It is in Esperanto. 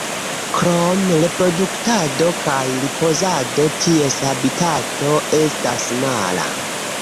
Krom reproduktado kaj ripozado, ties habitato estas mara.